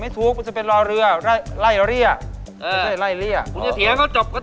ไม่ะไม่ใช่ใจให้ไล่เรียก